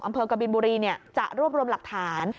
อำเภอกระบินบุรีจะรวบรวมหลักฐาน